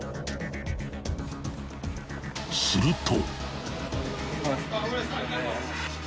［すると］